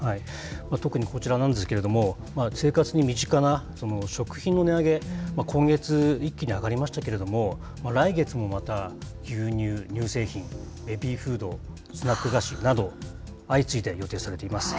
特にこちらなんですけれども、生活に身近な食品の値上げ、今月、一気に上がりましたけれども、来月もまた牛乳・乳製品とか、ベビーフード、スナック菓子など、相次いで予定されています。